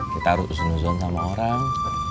kita harus senuzuan sama orang